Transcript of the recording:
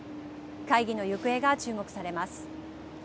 会議の行方が注目されます。